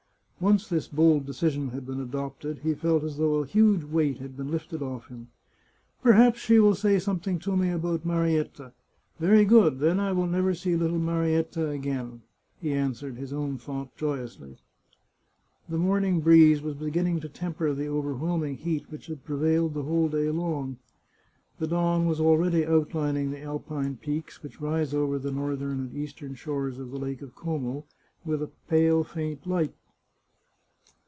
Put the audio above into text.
Once this bold decision had been adopted, he felt as though a huge weight had been lifted oflf him. " Perhaps she will say something to me about Marietta. Very good; then I will never see little Marietta again," he answered his own thought, joyously. The morning breeze was beginning to temper the over whelming heat which had prevailed the whole day long. The dawn was already outlining the Alpine peaks which rise over the northern and eastern shores of the Lake of Como with a pale faint light.